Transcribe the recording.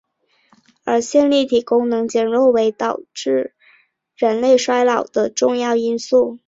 而线粒体功能减弱为导致人类衰老的重要因素。